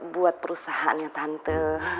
buat perusahaannya tante